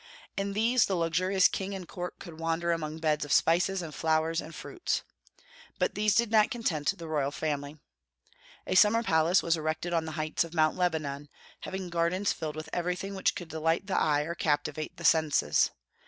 In these the luxurious king and court could wander among beds of spices and flowers and fruits. But these did not content the royal family. A summer palace was erected on the heights of Mount Lebanon, having gardens filled with everything which could delight the eye or captivate the senses.